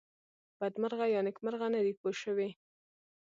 بدمرغه یا نېکمرغه نه دی پوه شوې!.